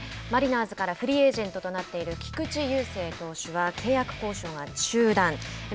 マリナーズからフリーエージェントとなっている菊池雄星投手は契約交渉が中断。